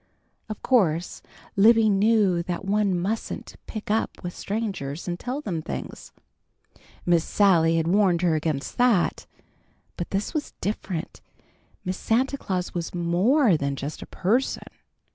Of course Libby knew that one mustn't "pick up" with strangers and tell them things. Miss Sally had warned her against that. But this was different. Miss Santa Claus was more than just a person.